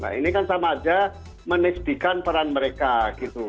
nah ini kan sama aja menisdikan peran mereka gitu